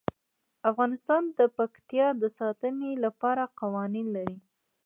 افغانستان د پکتیا د ساتنې لپاره قوانین لري.